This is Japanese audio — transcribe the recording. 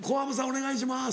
お願いします。